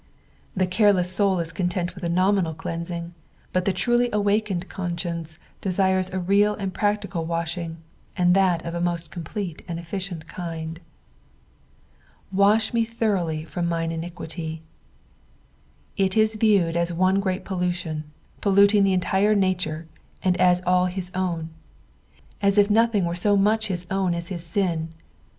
The carelets soul is content with a nominal cleansing, but the truly awakened conscience desires a real and practical washing, and that of a most complete and efficient kind. " ffiwA me tliroughly from laina iniquity." It i.t viewed as one great pollution, polluting the entire nature, and us all his own ; as if nothing were so much bis own as his sin.